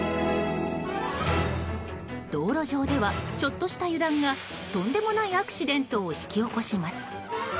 道路上ではちょっとした油断がとんでもないアクシデントを引き起こします。